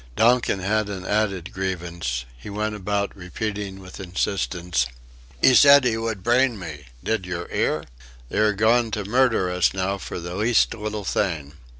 Donkin had an added grievance. He went about repeating with insistence: "'E said 'e would brain me did yer 'ear? They are goin' to murder us now for the least little thing."